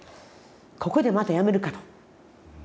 ここでまた辞めるかと。